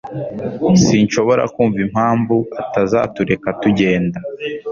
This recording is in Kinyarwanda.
Sinshobora kumva impamvu atazatureka tugenda.